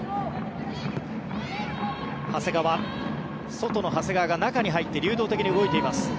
外の長谷川が中に入って流動的に動いています。